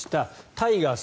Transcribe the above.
タイガース